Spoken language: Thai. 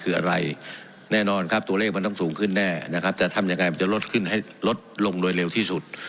มันคืออะไรแน่นอนครับตัวเลขมันต้องสูงขึ้นแน่แล้วแต่ทำยังยังไงมันจะลดขึ้นลงที่สุด